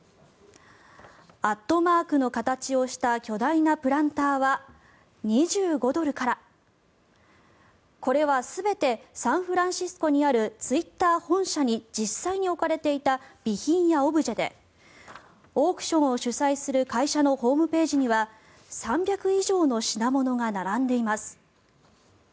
＠の形をした巨大なプランターは２５ドルからこれは全てサンフランシスコにあるツイッター本社に実際に置かれていた備品やオブジェでオークションを主催する会社のホームページには３００以上の品物が並んでいます。